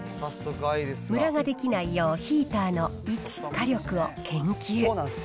むらが出来ないよう、ヒーターの位置、火力を研究。